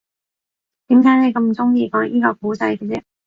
點解你咁鍾意講依個故仔嘅啫